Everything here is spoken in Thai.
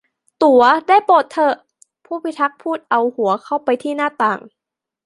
'ตั๋วได้โปรดเถอะ !' ผู้พิทักษ์พูดเอาหัวเข้าไปที่หน้าต่าง